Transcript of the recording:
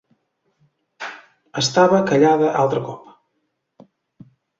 Estava callada altre cop.